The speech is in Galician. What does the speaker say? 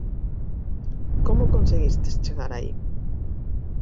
Como conseguistes chegar aí?